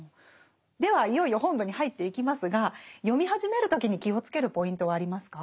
ではいよいよ本文に入っていきますが読み始める時に気を付けるポイントはありますか？